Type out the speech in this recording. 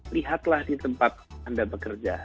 lihatlah di tempat anda bekerja